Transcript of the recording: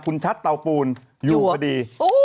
คุณชัดเตาปูนอยู่พอดี